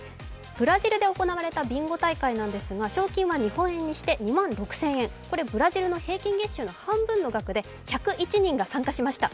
ブラジルで行われたビンゴ大会なんですが賞金は日本円にして２万６０００円、これブラジルの平均月収の半分の額で１０１人が参加しました。